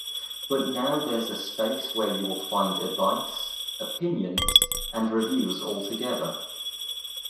But now there’s a space where you will find advice, opinions, and reviews all together.